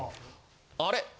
あれ？